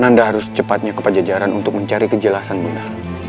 nanda harus cepatnya ke pajajaran untuk mencari kejelasan bunda